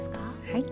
はい。